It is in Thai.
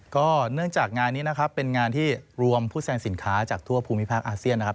ก็เนื่องจากงานนี้นะครับเป็นงานที่รวมผู้แซงสินค้าจากทั่วภูมิภาคอาเซียนนะครับ